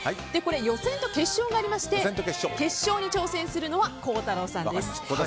予選と決勝がありまして決勝に挑戦するのは孝太郎さんです。